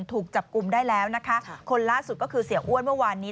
ถูกจับกลุ่มได้แล้วนะคะคนล่าสุดก็คือเสียอ้วนเมื่อวานนี้